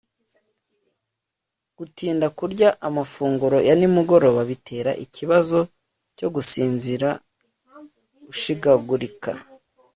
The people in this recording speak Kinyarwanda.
gutinda kurya amafunguro ya nimugoroba bitera ikibazo cyo gusinzira ushikagurika